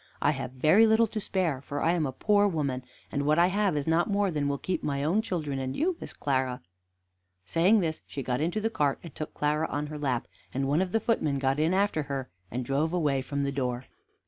I have very little to spare, for I am a poor woman, and what I have is not more than will keep my own children and you, Miss Clara." Saying this, she got into the cart, and took Clara on her lap, and one of the footmen got in after her, and drove away from the door.